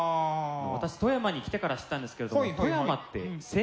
私富山に来てから知ったんですけれど富山って繊維産業が盛んで。